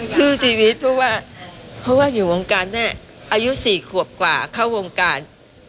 สู้ชีวิตเพราะว่าเพราะว่าอยู่วงการแม่อายุ๔ขวบกว่าเข้าวงการ